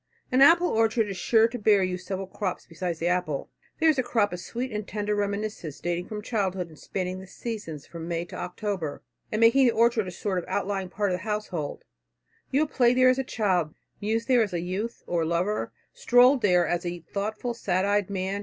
An apple orchard is sure to bear you several crops beside the apple. There is the crop of sweet and tender reminiscences dating from childhood and spanning the seasons from May to October, and making the orchard a sort of outlying part of the household. You have played there as a child, mused there as a youth or lover, strolled there as a thoughtful, sad eyed man.